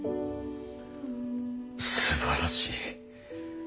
すばらしい。